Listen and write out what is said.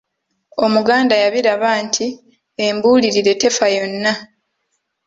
Omuganda yabiraba nti, “Embuulire tefa yonna.”